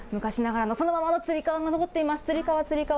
昔ながらのそのままのつり革が残っています。